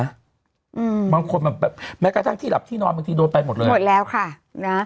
อืมบางคนมันแบบแม้กระทั่งที่หลับที่นอนบางทีโดนไปหมดเลยหมดแล้วค่ะนะ